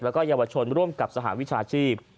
และเยาวชนร่วมกับสหวังวิชาชีพ